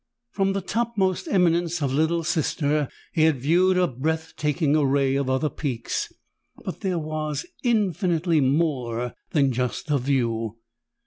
From the topmost eminence of Little Sister, he had viewed a breath taking array of other peaks. But there was infinitely more than just a view.